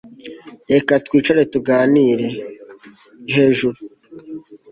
Reka twicare tuganire hejuru